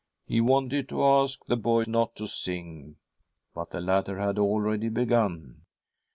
He wanted to ask the boy not to sing, but the latter had already begun.